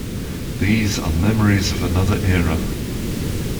These are memories of another era.